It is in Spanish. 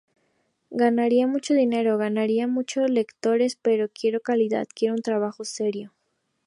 Ganaría mucho dinero, ganaría muchos lectores... pero quiero calidad, quiero un trabajo serio".